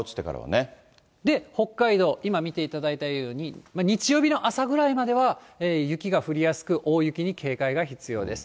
北海道、今見ていただいたように、日曜日の朝ぐらいまでは、雪が降りやすく、大雪に警戒が必要です。